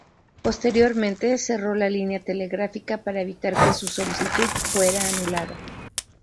Posteriormente cerró la línea telegráfica para evitar que su solicitud fuera anulada.